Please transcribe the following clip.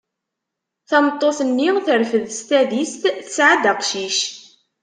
Tameṭṭut-nni terfed s tadist, tesɛa-d aqcic.